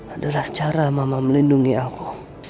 adalah cara mama melindungi aku